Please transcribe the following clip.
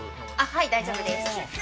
はい、大丈夫です。